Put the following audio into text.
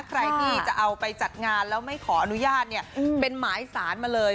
ใครที่จะเอาไปจัดงานแล้วไม่ขออนุญาตเนี่ยเป็นหมายสารมาเลย